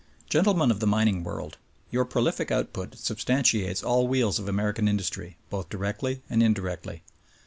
Gentlemen of the Mining World : Your prolific output substantiates all wheels of American industry, both directly and indirectly.